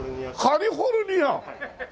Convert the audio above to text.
カリフォルニア！